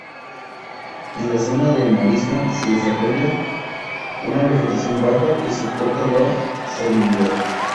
En la zona de marisma, se desarrolla una vegetación baja, que soporta la salinidad.